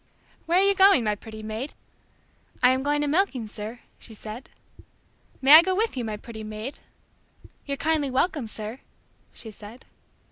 "Where are you going, my pretty maid?" "I am going a milking, sir," she said. "May I go with you, my pretty maid?" "You're kindly welcome, sir," she said.